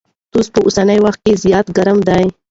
توس په اوسني وخت کي زيات ګرم دی.